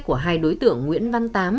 của hai đối tượng nguyễn văn tám